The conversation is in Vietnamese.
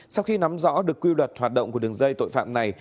sau khi nắm rõ được quy luật hoạt động của đường dây tội phạm này